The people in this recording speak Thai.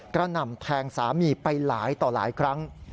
หน่ำแทงสามีไปหลายต่อหลายครั้ง